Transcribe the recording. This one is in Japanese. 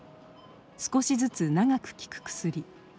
少しずつ長く効く薬。